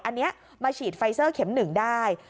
อันนี้มาฉีดไฟเซอร์เข็ม๑ได้